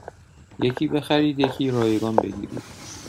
یکی بخرید یکی رایگان بگیرید